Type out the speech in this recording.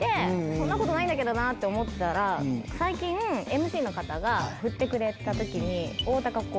そんなことないんだけどなと思ってたら最近ＭＣの方がふってくれた時に。